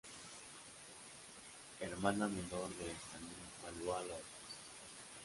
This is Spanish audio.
Hermana menor de Benjamín Balboa López.